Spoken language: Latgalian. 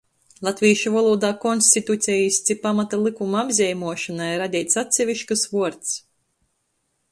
Latvīšu volūdā konstitucejis ci pamata lykuma apzeimuošonai ir radeits atseviškys vuords,